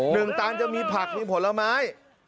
หนึ่งตันจะมีผักมีผลไม้